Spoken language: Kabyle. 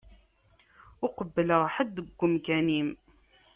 Ur qebbleɣ ḥedd deg umkan-im.